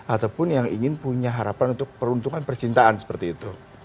ataupun yang ingin punya harapan untuk peruntungan percintaan seperti itu